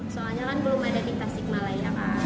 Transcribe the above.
soalnya kan belum ada di tasik malaya kan